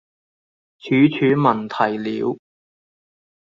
處處聞啼鳥